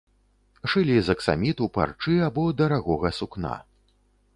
Шылі з аксаміту, парчы або дарагога сукна.